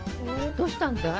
どうしたんだい？